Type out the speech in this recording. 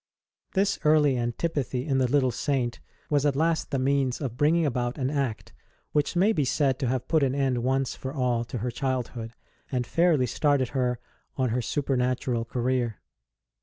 ST. ROSE S CHILDHOOD 51 This early antipathy in the little Saint was at last the means of bringing about an act which may be said to have put an end once for all to her childhood, and fairly started her on her supernatural career.